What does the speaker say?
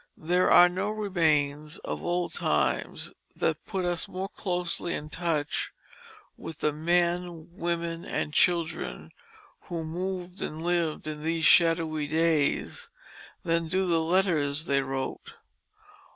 There are no remains of olden times that put us more closely in touch with the men, women, and children who moved and lived in these shadowy days than do the letters they wrote.